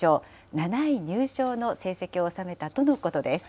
７位入賞の成績を収めたとのことです。